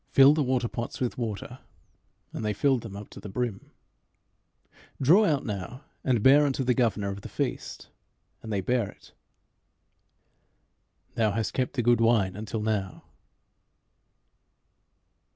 "'Fill the water pots with water.' And they filled them up to the brim. 'Draw out now, and bear unto the governor of the feast.' And they bare it. 'Thou hast kept the good wine until now.'"